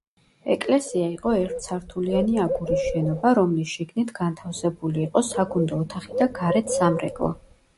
ეკლესია იყო ერთსართულიანი აგურის შენობა, რომლის შიგნით განთავსებული იყო საგუნდო ოთახი და გარეთ სამრეკლო.